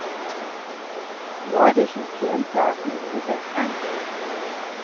Nordischen Filmtagen in Lübeck an.